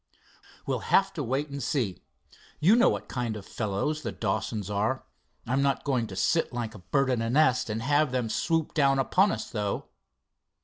"We'll have to wait and see. You know what kind of fellows the Dawsons are. I'm not going to sit like a bird in a nest and have them swoop down upon us, though."